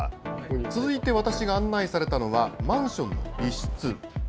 続いて私が案内されたのはマンションの一室。